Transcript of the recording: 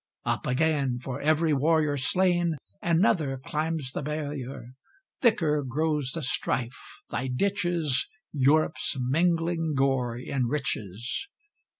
Up again! for every warrior Slain, another climbs the barrier. Thicker grows the strife; thy ditches Europe's mingling gore enriches.